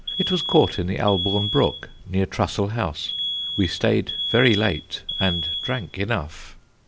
It was caught in the Albourne Brook, near Trussell House.... We staid very late and drank enough.